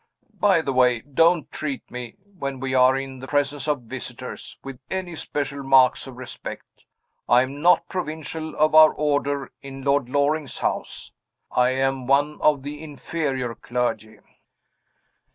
By the way, don't treat me (when we are in the presence of visitors) with any special marks of respect. I am not Provincial of our Order in Lord Loring's house I am one of the inferior clergy."